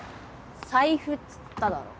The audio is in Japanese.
財布っつっただろ。